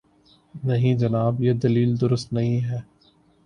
نہیں جناب، یہ دلیل درست نہیں ہے۔